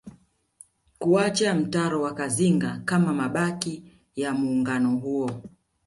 Kuacha mtaro wa Kazinga kama mabaki ya muungano huo